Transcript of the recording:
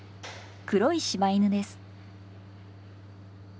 黒い柴犬です。